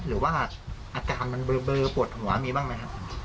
หรือว่าอาการมันเบลอปวดหัวมีบ้างไหมครับ